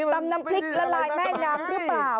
น้ำพริกละลายแม่น้ำหรือเปล่า